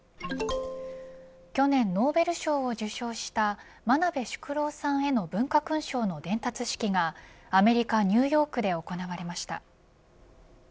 去年ノーベル賞を受賞した真鍋淑郎さんへの文化勲章の伝達式がアメリカニューヨークで行われました。